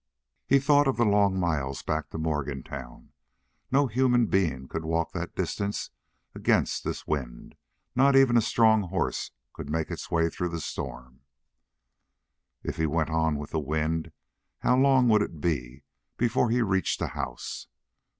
He thought of the long miles back to Morgantown; no human being could walk that distance against this wind; not even a strong horse could make its way through the storm. If he went on with the wind, how long would it be before he reached a house?